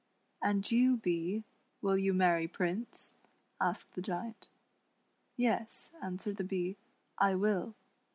"And you. Bee, will you marry Prince.^" asked the Giant. " Yes," answered the Bee, " I will."